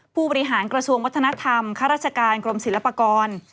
ผู้บริหารกระทรวงวัฒนธรรมข้าราชการกรมศิลปากร